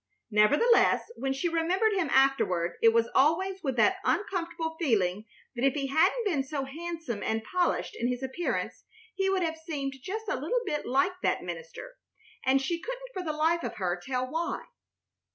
Nevertheless, when she remembered him afterward it was always with that uncomfortable feeling that if he hadn't been so handsome and polished in his appearance he would have seemed just a little bit like that minister, and she couldn't for the life of her tell why.